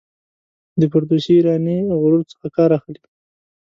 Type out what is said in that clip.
د فردوسي ایرانی غرور څخه کار اخلي.